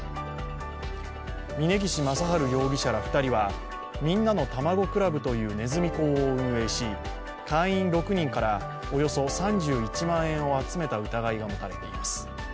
峯岸正治容疑者ら２人はみんなのたまご倶楽部というねずみ講を運営し会員６人からおよそ３１万円を集めた疑いが持たれています。